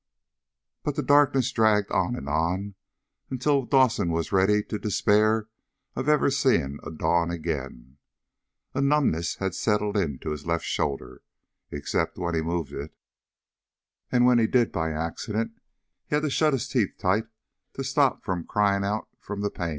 But the darkness dragged on and on until Dawson was ready to despair of ever seeing a dawn again. A numbness had settled in his left shoulder, except when he moved it. And when he did by accident, he had to shut his teeth tight to stop from crying out from the pain.